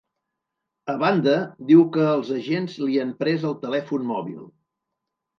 A banda, diu que els agents li han pres el telèfon mòbil.